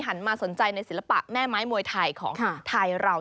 มาสนใจในศิลปะแม่ไม้มวยไทยของไทยเรา